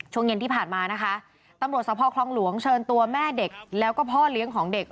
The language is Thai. ช่วงเย็นที่ผ่านมานะคะตำรวจสภคลองหลวงเชิญตัวแม่เด็กแล้วก็พ่อเลี้ยงของเด็ก